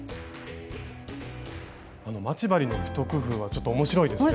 待ち針の一工夫はちょっと面白いですね。